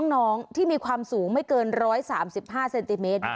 น้องที่มีความสูงไม่เกิน๑๓๕เซนติเมตร